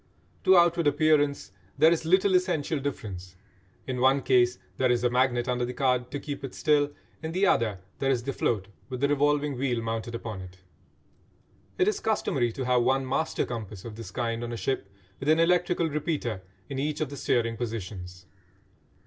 To outward appearance there is little essential difference; in one case there is a magnet under the card to keep it still, in the other there is the float with the revolving wheel mounted upon it. It is customary to have one "master compass" of this kind on a ship, with an electrical repeater in each of the steering positions.